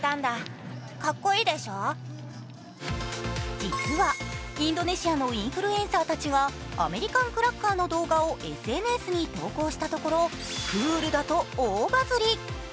実は、インドネシアのインフルエンサーたちがアメリカンクラッカーの動画をＳＮＳに投稿したところクールだと大バズり。